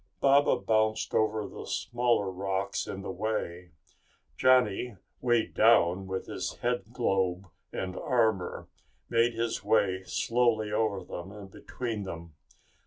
Baba bounced over the smaller rocks in the way. Johnny, weighed down with headglobe and armor, made his way slowly over them and between them.